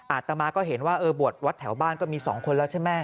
อาตมาก็เห็นว่าเออบวชวัดแถวบ้านก็มี๒คนแล้วใช่ไหม